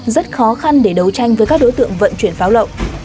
rất khó khăn để đấu tranh với các đối tượng vận chuyển pháo lậu